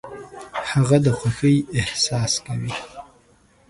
هغه د خوښۍ احساس کوي .